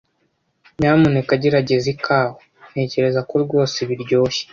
Nyamuneka gerageza ikawa. Ntekereza ko rwose biryoshye.